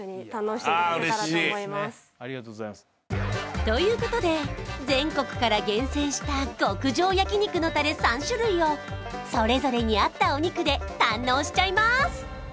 ありがとうございますということで全国から厳選した極上焼肉のタレ３種類をそれぞれに合ったお肉で堪能しちゃいます！